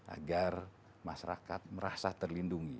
agar masyarakat merasa terlindungi